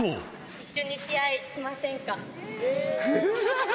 一緒に試合しませんか？